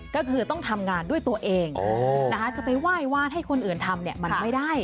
ก็คือต้องทำงานด้วยตัวเองนะคะจะไปไหว้วาดให้คนอื่นทำเนี่ยมันไม่ได้